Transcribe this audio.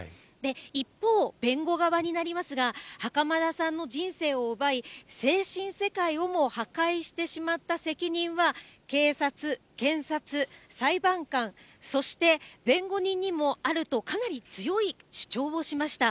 一方、弁護側になりますが、袴田さんの人生を奪い、精神世界をも破壊してしまった責任は、警察、検察、裁判官、そして弁護人にもあると、かなり強い主張をしました。